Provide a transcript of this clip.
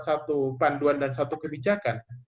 satu panduan dan satu kebijakan